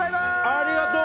ありがとう！